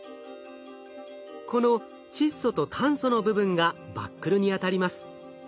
この窒素と炭素の部分がバックルにあたります。